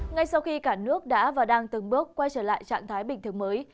ngay sau khi cả nước đã và đang từng bước quay trở lại trạng thái bình thường mới